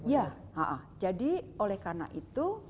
ya jadi oleh karena itu